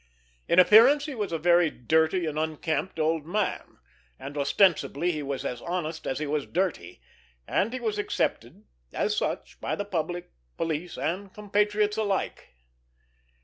In appearance he was a very dirty and unkempt old man, and ostensibly he was as honest as he was dirty—and he was accepted as such by public, police and compatriots alike.